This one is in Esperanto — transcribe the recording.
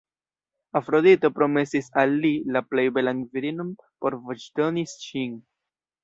Afrodito promesis al li la plej belan virinon por voĉdoni ŝin.